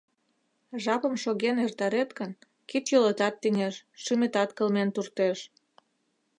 Жапым шоген эртарет гын, кид-йолетат тӱҥеш, шӱметат кылмен туртеш.